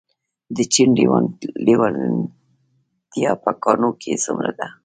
د چین لیوالتیا په کانونو کې څومره ده؟